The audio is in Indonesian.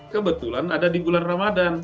kebetulan ada di bulan ramadan